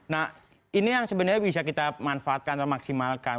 nah ini yang sebenarnya bisa kita manfaatkan atau maksimalkan